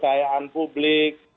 saya pada saat ini kelas